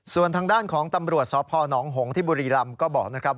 ส่วนฐางด้านของตำรวจสพนองหงฑิริลำก็บอกนะครับค่ะ